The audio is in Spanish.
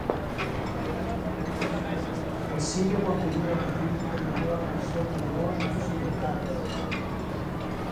El sitio contenía un clip de la nueva canción de Ghost sin vocales.